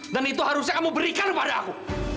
dan itu harusnya kamu berikan kepada aku